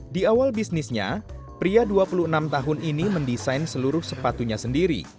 di awal bisnisnya pria dua puluh enam tahun ini mendesain seluruh sepatunya sendiri